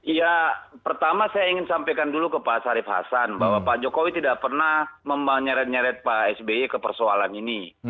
ya pertama saya ingin sampaikan dulu ke pak sarif hasan bahwa pak jokowi tidak pernah menyeret nyeret pak sby ke persoalan ini